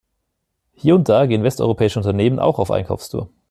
Hier und da gehen westeuropäische Unternehmen auch auf 'Einkaufstour'.